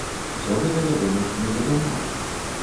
Усё гэта, вядома ж, незадарма.